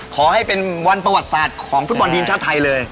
ขอให้เป็นวันประวัติศาสตร์ของฟุตบอลทีมชาติไทยเลย